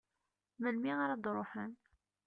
Melmi ara d-ruḥen?